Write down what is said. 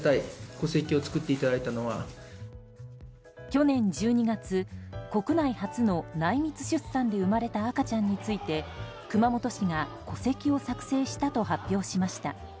去年１２月、国内初の内密出産で生まれた赤ちゃんについて熊本市が戸籍を作成したと発表しました。